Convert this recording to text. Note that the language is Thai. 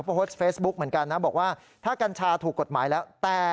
โพสต์เฟซบุ๊กเหมือนกันนะบอกว่าถ้ากัญชาถูกกฎหมายแล้ว